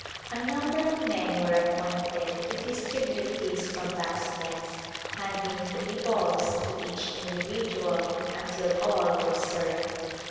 A number of men were appointed to distribute these from baskets, handing three balls to each individual until all were served.